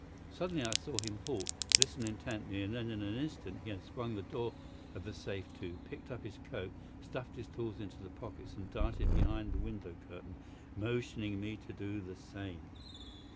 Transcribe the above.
Suddenly I saw him halt, listen intently, and then in an instant he had swung the door of the safe to, picked up his coat, stuffed his tools into the pockets, and darted behind the window curtain, motioning me to do the same.